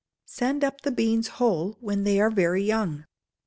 Send up the beans whole when they are very young.